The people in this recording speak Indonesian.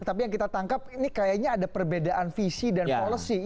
tapi yang kita tangkap ini kayaknya ada perbedaan visi dan policy